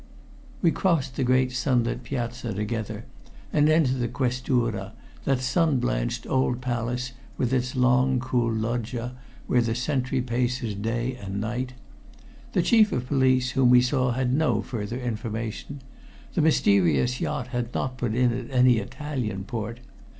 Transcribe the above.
We crossed the great sunlit piazza together and entered the Questura, that sun blanched old palace with its long cool loggia where the sentry paces day and night. The Chief of Police, whom we saw, had no further information. The mysterious yacht had not put in at any Italian port.